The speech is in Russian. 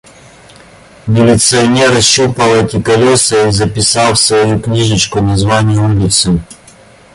Милиционер ощупал эти колёса и записал в свою книжечку название улицы.